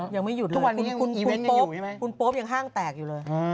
ยังไม่หยุดเลยคุณป๊อปยังห้างแตกอยู่เลย